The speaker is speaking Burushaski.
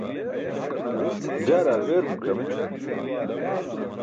jaar aar beeruman kaam ećuma?